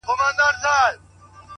زما د خيال د فلسفې شاعره .